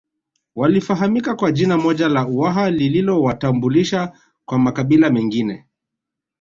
Walifahamika kwa jina moja la Uwaha lililowatambulisha kwa makabila mengine